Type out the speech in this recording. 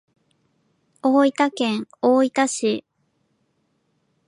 大分県大分市